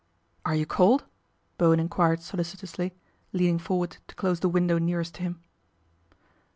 " Are you cold ?" Bo wen enquired solicitously, leaning forward to close the window nearest to him.